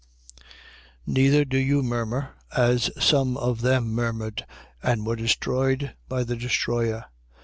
10:10. Neither do you murmur, as some of them murmured and were destroyed by the destroyer.